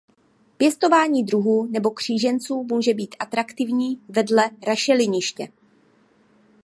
Pěstování druhů nebo kříženců může být atraktivní vedle rašeliniště.